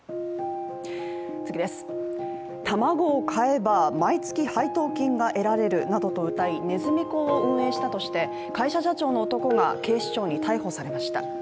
卵を買えば毎月配当金が得られるなどとうたいネズミ講を運営したとして会社社長の男が警視庁に逮捕されました。